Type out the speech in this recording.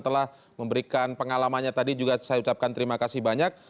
telah memberikan pengalamannya tadi juga saya ucapkan terima kasih banyak